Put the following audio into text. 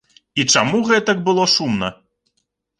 І чаму гэтак было шумна.